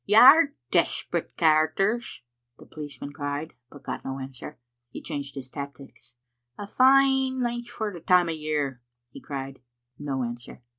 "You're desperate characters," the policeman cried, but got no answer. He changed his tactics. "A fine nicht for the time o' year," he cried. No answer.